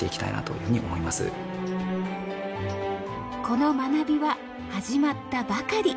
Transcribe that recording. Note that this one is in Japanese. この学びは始まったばかり。